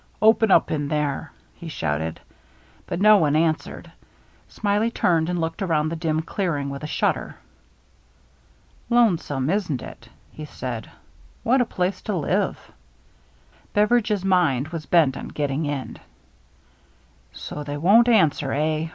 " Open up in there !" he shouted. But no one answered. Smiley turned and looked around the dim clearing with a shudder. " Lonesome, isn't it ?'' he said. "What a place to live!" Bevcridge's mind was bent on getting in. "So they won't answer, eh?